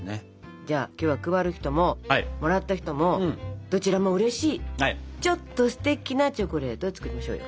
じゃあ今日は配る人ももらった人もどちらもうれしいちょっとステキなチョコレートを作りましょうよ。